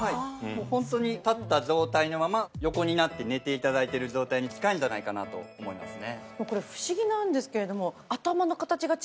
ホントに立った状態のまま横になって寝ていただいてる状態に近いんじゃないかなと思いますね。